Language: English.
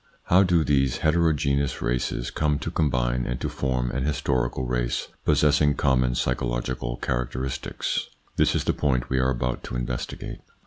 How do these heterogeneous races come to combine and to form an historical race possessing common psychological characteristics ? This is the point we are about to investigate.